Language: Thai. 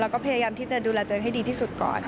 เราก็พยายามที่จะดูแลเจอกันให้ดีที่สุดก่อน